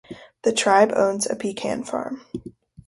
The tribe owns a pecan farm.